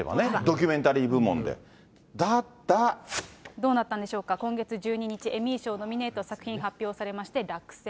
どうだったのでしょうか、今月１２日、エミー賞ノミネート作品発表されまして、落選。